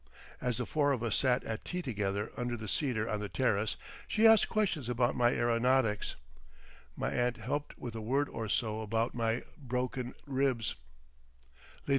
As the four of us sat at tea together under the cedar on the terrace she asked questions about my aeronautics. My aunt helped with a word or so about my broken ribs.